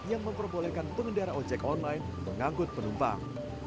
yang memperbolehkan pengendara ojek online mengangkut penumpang